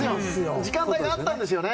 時間帯があったんですよね